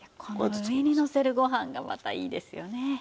この上にのせるご飯がまたいいですよね。